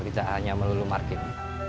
tidak hanya melulu marking